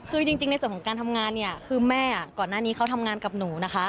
คือจริงในส่วนของการทำงานเนี่ยคือแม่ก่อนหน้านี้เขาทำงานกับหนูนะคะ